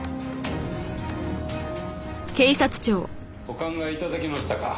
お考え頂けましたか？